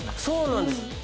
そうなんです。